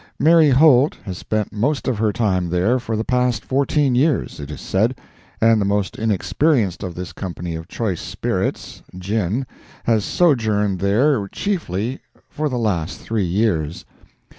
Mary Holt has spent most of her time there for the past fourteen years, it is said, and the most inexperienced of this company of choice spirits (gin) has sojourned there chiefly for the last three years.